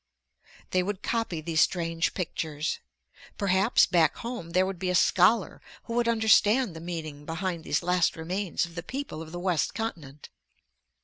They would copy these strange pictures. Perhaps back home there would be a scholar who would understand the meaning behind these last remains of the people of the west continent.